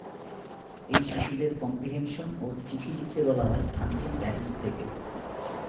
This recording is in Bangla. এই শিশুদের কম্প্রিহেনশন ও চিঠি লিখতে বলা হয় আনসিন প্যাসেজ থেকে।